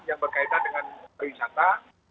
yang berkaitan dengan perwisata